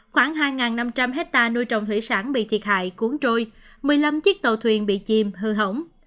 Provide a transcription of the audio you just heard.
khoảng hai năm trăm linh hectare nuôi trồng thủy sản bị thiệt hại cuốn trôi một mươi năm chiếc tàu thuyền bị chìm hư hỏng